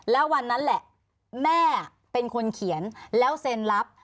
แล้ววันนั้นแหละแม่เป็นคนเขียนแล้วเซ็นรับ